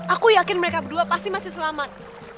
aku yakin mereka berdua pasti masih selamat